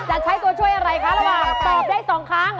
จะใช้ตัวช่วยอะไรคะระหว่างตอบได้๒ครั้ง